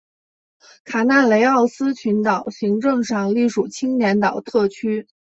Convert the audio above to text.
卡纳雷奥斯群岛行政上隶属青年岛特区。